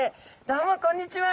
どうもこんにちは！